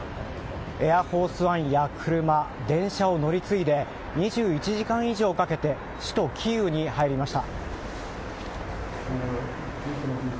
「エアフォースワン」や車電車を乗り継いで２１時間以上かけて首都キーウに入りました。